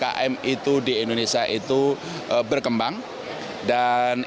berjuang dan berbasis painan yang penting di indonesia sekarang menprised adalah di koinwait korporatkan wkwkb